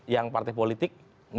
yang partai politik